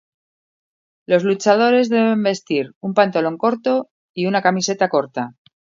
Los luchadores deben vestir un pantalón corto y una camiseta corta.